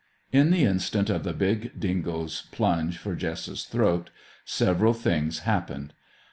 In the instant of the big dingo's plunge for Jess's throat, several things happened.